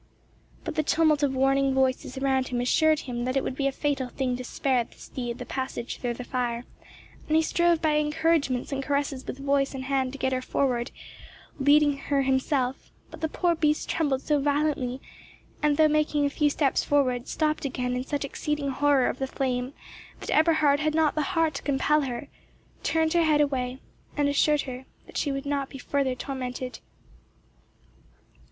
But the tumult of warning voices around him assured him that it would be a fatal thing to spare the steed the passage through the fire, and he strove by encouragements and caresses with voice and hand to get her forward, leading her himself; but the poor beast trembled so violently, and, though making a few steps forward, stopped again in such exceeding horror of the flame, that Eberhard had not the heart to compel her, turned her head away, and assured her that she should not be further tormented.